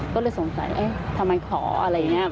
ก็เลยสงสัยเอ๊ะทำไมขออะไรอย่างนี้